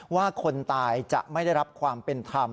ว่าคนตายจะไม่ได้รับความเป็นธรรม